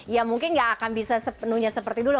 ya mungkin nggak akan bisa sepenuhnya seperti dulu